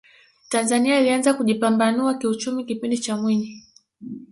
tanzania ilianza kujipambanua kiuchumi kipindi cha mwinyi